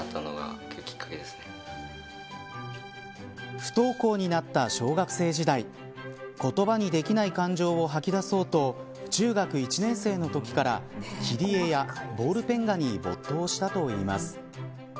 不登校になった小学生時代言葉にできない感情を吐き出そうと中学１年生のときから切り絵やボールペン画に没頭したといいます。